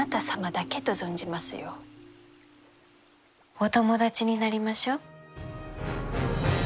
お友達になりましょう。